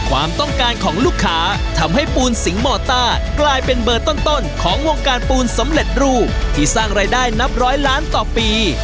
ความต้องการของลูกค้าทำให้ปูนสิงหม่อต้ากลายเป็นเบอร์ต้นของวงการปูนสำเร็จรูปที่สร้างรายได้นับร้อยล้านต่อปี